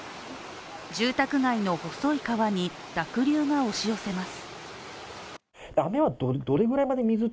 住宅街の細い川に濁流が押し寄せます。